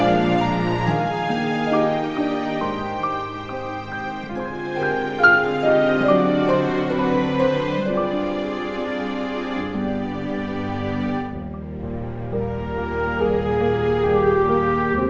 ya ampun dong aku yang registernya kugvov